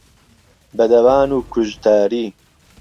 بە دەبان و کوژتەری